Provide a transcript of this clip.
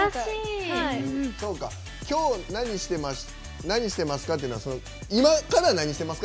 今日、何してますか？というのは今から何してますか？